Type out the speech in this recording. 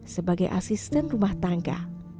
sebagai asisten rumah tangga